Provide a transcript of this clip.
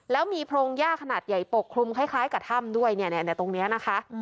แล้วมีโพรงย่าขนาดใหญ่ปกคลุมคล้ายกับถ้ำด้วยเนี่ยตรงนี้นะคะ